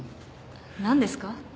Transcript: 何ですか？